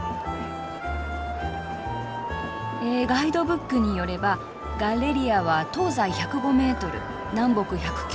えガイドブックによればガッレリアは東西１０５ｍ南北１９７ｍ。